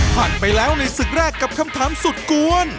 ผ่านไปแล้วในศึกแรกกับคำถามสุดกวน